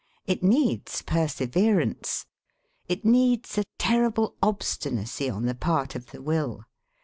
It needs perseverance. It needs a terrible obstinacy on the part of the will.